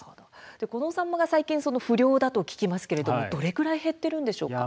このサンマが最近不漁だと聞きますが、どのくらい減っているんでしょうか。